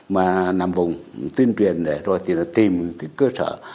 mà nằm vùng tuyên truyền rồi thì tìm cái cơ sở